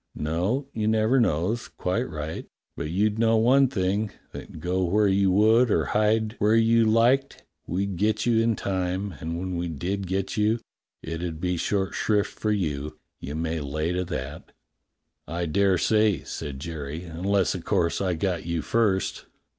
^^" "No, you never knows. Quite right. But you'd know one thing: that go where you would, or hide where you liked, we'd get 3^ou in time, and when we did get you it 'ud be short shrift for you — you may lay to that." 168 DOCTOR SYN "I daresay," said Jerry, "unless, of course, I got you first."